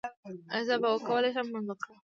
ایا زه به وکولی شم لمونځ وکړم؟